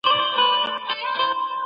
په کلي کې یو وخت باران سوی و.